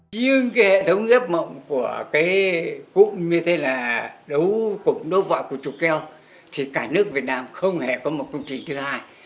nhưng hệ thống gấp mộng của cụm đấu vọa của chùa keo thì cả nước việt nam không hề có một công trình thứ hai